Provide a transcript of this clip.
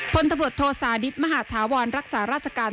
พลตำรวจโทษานิทมหาธาวรรักษาราชการ